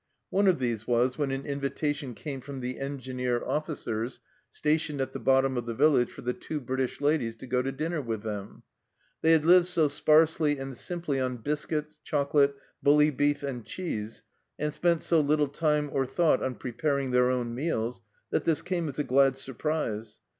One of these was when an invitation came from the Engineer officers stationed at the bottom of the village for the two British ladies to go to dinner with them. They had lived so sparsely and simply on biscuits, chocolate, bully beef, and cheese, and spent so little time or thought on preparing their own meals, that this came as a glad surprise.